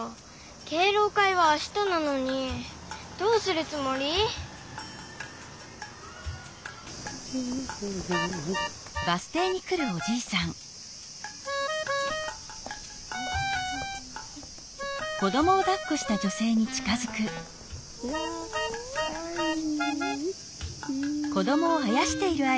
敬老会はあしたなのにどうするつもり？いやかわいい。